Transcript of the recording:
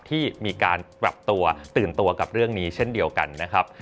ที่มีการปรับตัวตื่นตัวกับเรื่องนี้เช่นเดียวกันนะครับ